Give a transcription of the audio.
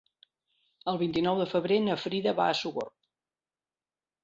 El vint-i-nou de febrer na Frida va a Sogorb.